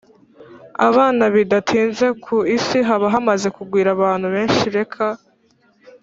Abana bidatinze ku isi haba hamaze kugwira abantu benshi reka